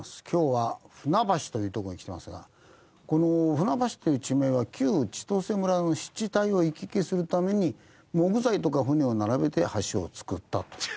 今日は船橋という所に来てますがこの船橋という地名は旧千歳村の湿地帯を行き来するために木材とか船を並べて橋を作ったと。